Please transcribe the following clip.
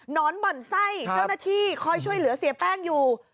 นอนบ่อนไส้เจ้าหน้าที่คอยช่วยเหลือเสียแป้งอยู่